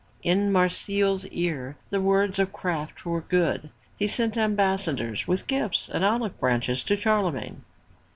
'' In Marsile's ear the words of craft were good. He sent ambas sadors with gifts and olive branches to Charlemagne.